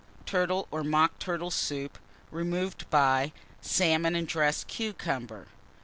_ Turtle or Mock Turtle Soup, removed by Salmon and dressed Cucumber.